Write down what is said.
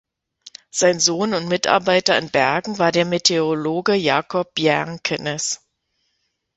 Sein Sohn und Mitarbeiter in Bergen war der Meteorologe Jacob Bjerknes.